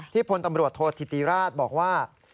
พลตำรวจโทษธิติราชบอกว่า